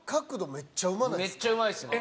めっちゃうまいっすね。